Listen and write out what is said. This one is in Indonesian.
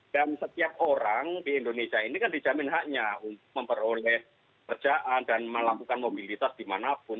dan setiap orang di indonesia ini kan dijamin haknya untuk memperoleh kerjaan dan melakukan mobilitas dimanapun